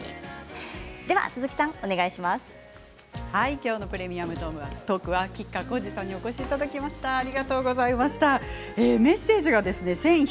今日の「プレミアムトーク」は吉川晃司さんにお越しいただきました。